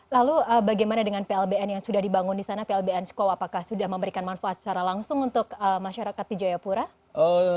lalu bagaimana dengan plbn yang sudah dibangun di sana plbn skow apakah sudah memberikan manfaat secara langsung untuk masyarakat di jayapura